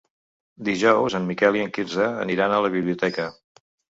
Dijous en Miquel i en Quirze aniran a la biblioteca.